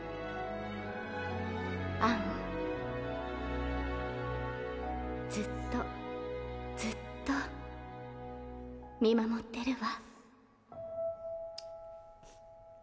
アン、ずっと、ずっと、見守ってるわ。